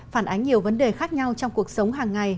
phản ánh nhiều vấn đề khác nhau trong cuộc sống hàng ngày